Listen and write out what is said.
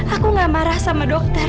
aku gak marah sama dokter